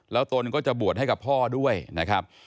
แล้วตนก็จะบวชให้กับพ่อด้วยนะครับ